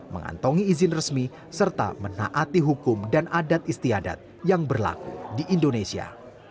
mengantongi izin resmi serta menaati hukum dan adat istiadat yang berlaku di indonesia